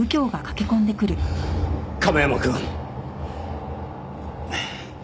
亀山くん。